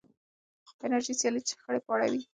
انرژي سیالۍ شخړې پاروي.